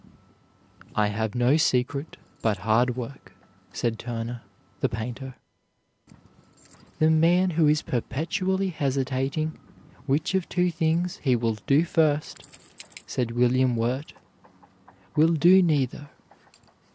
"I have no secret but hard work," said Turner, the painter. "The man who is perpetually hesitating which of two things he will do first," said William Wirt, "will do neither.